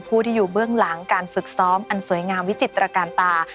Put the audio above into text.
ผู้ที่อยู่เบื้องหลังการฝึกซ้อมอันสวยงามวิจิตรการตา